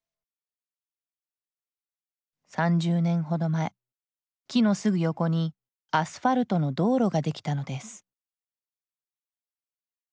３０年ほど前木のすぐ横にアスファルトの道路ができたのです。